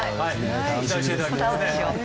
期待していただきたいですね。